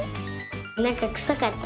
なんかくさかった。